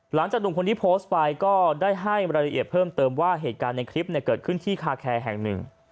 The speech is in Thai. หนุ่มคนนี้โพสต์ไปก็ได้ให้รายละเอียดเพิ่มเติมว่าเหตุการณ์ในคลิปเกิดขึ้นที่คาแคร์แห่งหนึ่ง